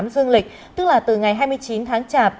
dương lịch tức là từ ngày hai mươi chín tháng chạp